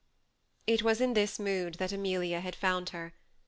It was in this mood that Amelia found her.